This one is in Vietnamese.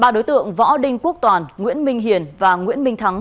ba đối tượng võ đinh quốc toàn nguyễn minh hiền và nguyễn minh thắng